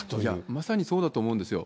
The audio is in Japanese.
まさにそうだと思うんですよ。